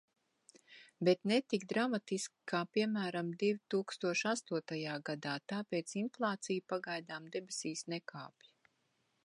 Bet ne tik dramatiski, kā piemēram divtūkstoš astotajā gadā, tāpēc inflācija pagaidām debesīs nekāpj.